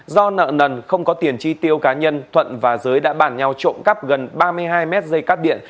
do nợ nần không có tiền chi tiêu cá nhân thuận và giới đã bàn nhau trộm cắp gần ba mươi hai mét dây cắt điện